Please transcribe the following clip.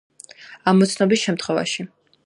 ამოცნობის შემთხვევაში.